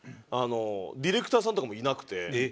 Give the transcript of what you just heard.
ディレクターさんとかもいなくて。